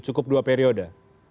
cukup dua periode